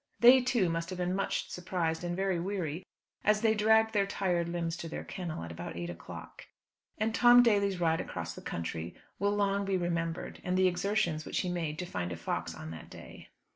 They, too, must have been much surprised and very weary, as they dragged their tired limbs to their kennel, at about eight o'clock. And Tom Daly's ride across the country will long be remembered, and the exertions which he made to find a fox on that day.